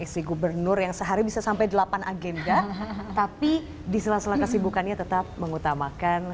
si gubernur yang sehari bisa sampai delapan agenda tapi di sela sela kesibukannya tetap mengutamakan